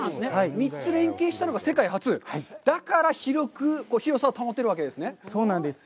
３つ連携したのが世界初？だから、広さを保てるわけですね。